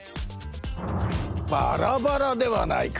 バラバラではないか！